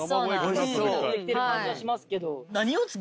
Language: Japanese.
火通ってきてる感じはしますけど。